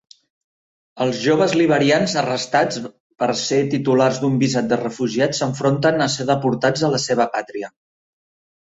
Els joves liberians arrestats per ser titulars d'un visat de refugiat s'enfronten a ser deportats a la seva pàtria.